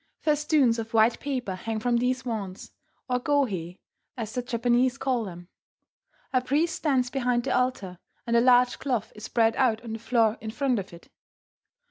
Festoons of white paper hang from these wands, or "gohei," as the Japanese call them. A priest stands behind the altar, and a large cloth is spread out on the floor in front of it.